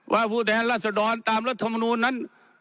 ว่าผู้แทนรัศจรรย์ตามรัฐธรรมนุมนั้น